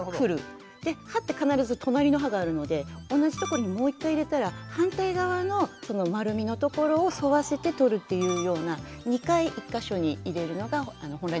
で歯って必ず隣の歯があるので同じとこにもう一回入れたら反対側のその丸みのところを沿わせてとるっていうような２回１か所に入れるのが本来のやり方で。